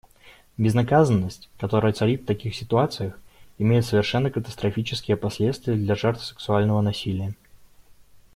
Безнаказанность, которая царит в таких ситуациях, имеет совершенно катастрофические последствия для жертв сексуального насилия.